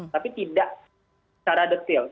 tapi tidak secara detail